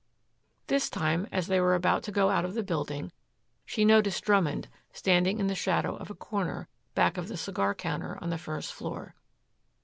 This time, as they were about to go out of the building, she noticed Drummond standing in the shadow of a corner back of the cigar counter on the first floor.